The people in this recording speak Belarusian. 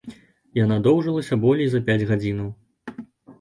Яна доўжылася болей за пяць гадзінаў.